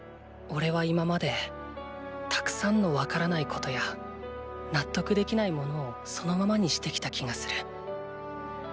おれは今までたくさんの分からないことや納得できないものをそのままにしてきた気がする。